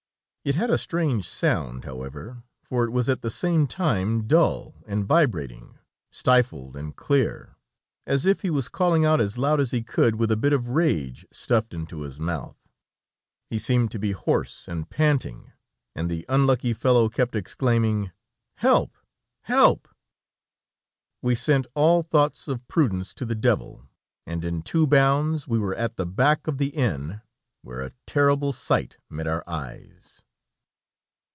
It had a strange sound, however, for it was at the same time dull and vibrating, stifled and clear, as if he was calling out as loud as he could with a bit of rag stuffed into his mouth. He seemed to be hoarse and panting, and the unlucky fellow kept exclaiming: "Help! Help!" We sent all thoughts of prudence to the devil, and in two bounds we were at the back of the inn, where a terrible sight met our eyes.